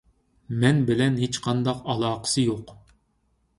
مەن بىلەن ھېچقانداق ئالاقىسى يوق.